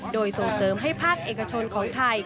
โดยส่งเสริมให้ภาคเอกชนของไทย